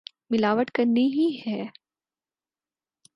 ملاوٹ کرنی ہی ہے۔